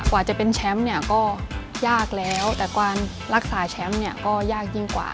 กว่าจะเป็นแชมป์ก็ยากแล้วแต่กว่ารักษาแชมป์ก็ยากยิ่งกว่า